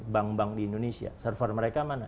bank bank di indonesia server mereka mana